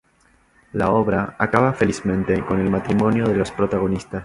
La obra acaba felizmente con el matrimonio de los protagonistas.